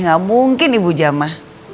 enggak mungkin ibu jama